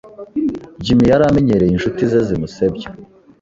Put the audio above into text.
Jimmy yari amenyereye inshuti ze zimusebya.